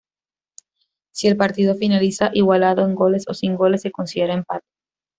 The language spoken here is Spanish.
Si el partido finaliza igualado en goles o sin goles, se considera empate.